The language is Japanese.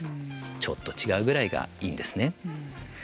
ちょっと違うぐらいがいいんですね。